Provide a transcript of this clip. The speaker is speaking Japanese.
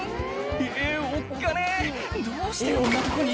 えぇおっかねえどうしてこんなとこに？